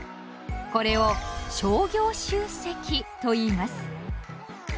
これを「商業集積」といいます。